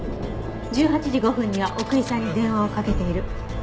１８時５分には奥居さんに電話をかけている。